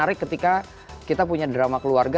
menarik ketika kita punya drama keluarga